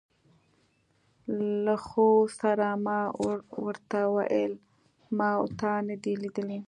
له خو سره ما ور ته وویل: ما او تا نه دي لیدلي.